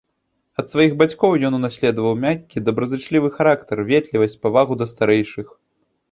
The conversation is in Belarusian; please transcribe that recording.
Ад сваіх бацькоў ён унаследаваў мяккі, добразычлівы характар, ветлівасць, павагу да старэйшых.